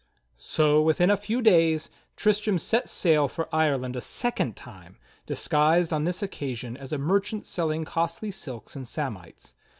So, within a few days, Tristram set sail for Ireland a second time, disguised on this occasion as a merchant selling costly silks and samites.